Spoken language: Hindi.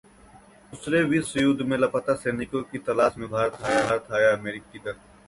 दूसरे विश्वयुद्ध में लापता सैनिकों की तलाश में भारत आया अमेरिकी दल